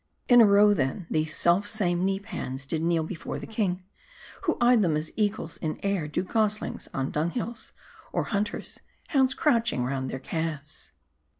In a row, then, these selfsame knee pans did kneel before the king ; who eyed them as eagles in air do goslings on dunghills ; or hunters, hounds crouching round their calves.